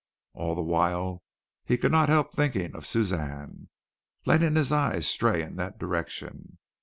All the while he could not help thinking of Suzanne letting his eyes stray in that direction.